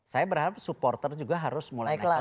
saya berharap supporter juga harus mulai naik lagi